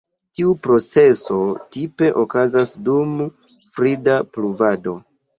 Tiu proceso tipe okazas dum frida pluvado.